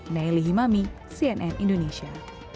nayli himami cnn indonesia